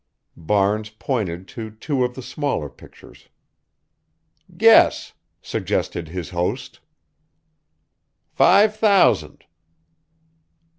Barnes pointed to two of the smaller pictures. "Guess," suggested his host. "Five thousand."